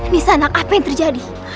nisa anak apa yang terjadi